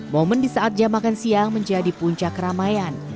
momen di saat jam makan siang menjadi puncak keramaian